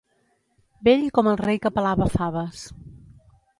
Vell com el rei que pelava faves.